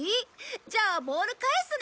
じゃあボール返すね。